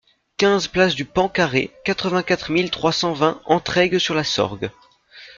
quinze place du Pan Carré, quatre-vingt-quatre mille trois cent vingt Entraigues-sur-la-Sorgue